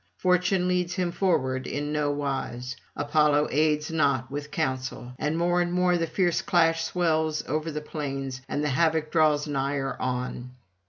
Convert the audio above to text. Fortune leads him forward in nowise; Apollo aids not with counsel; and more and more the fierce clash swells over the plains, and the havoc draws nigher on.